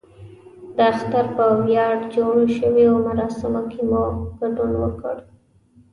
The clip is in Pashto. د اختر په ویاړ جوړو شویو مراسمو کې مو ګډون وکړ.